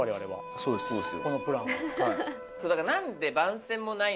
そうですよ。